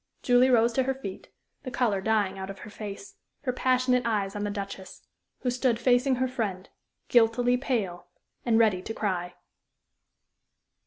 Julie rose to her feet, the color dying out of her face, her passionate eyes on the Duchess, who stood facing her friend, guiltily pale, and ready to cry.